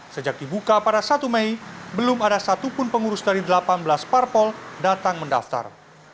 sejak dibuka pada satu mei belum ada satupun pengurus dari delapan belas parpol datang mendaftar